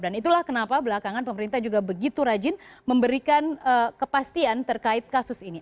dan itulah kenapa belakangan pemerintah juga begitu rajin memberikan kepastian terkait kasus ini